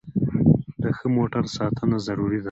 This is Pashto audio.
د ښه موټر ساتنه ضروري ده.